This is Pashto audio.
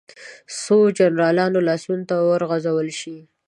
د څو جنرالانو لاسونو ته وغورځول شي.